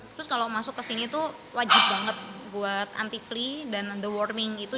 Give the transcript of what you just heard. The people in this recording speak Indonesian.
terus kalau masuk ke sini itu wajib banget buat anti flea dan underwarming itu